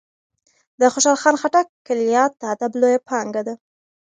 د خوشال خان خټک کلیات د ادب لویه پانګه ده.